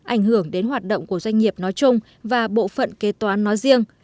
ảnh hưởng đến hoạt động của doanh nghiệp nói chung và bộ phận kế toán nói riêng